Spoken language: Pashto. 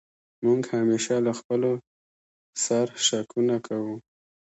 موږ همېشه له خپلو سر شکونه کوو.